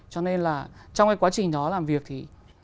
cho nên là trong cái quá trình đó làm việc thì